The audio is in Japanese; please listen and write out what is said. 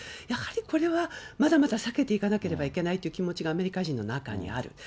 やはりこれは、まだまだ避けていかなければいけないという気持ちが、アメリカ人の中にある。